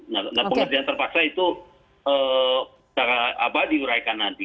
nah pengertian terpaksa itu cara apa diuraikan nanti